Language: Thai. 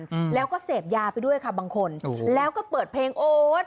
อืมแล้วก็เสพยาไปด้วยค่ะบางคนถูกแล้วก็เปิดเพลงโอ๊ต